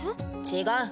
違う。